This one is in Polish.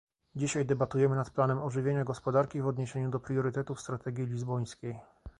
Dzisiaj debatujemy nad planem ożywienia gospodarki w odniesieniu do priorytetów strategii lizbońskiej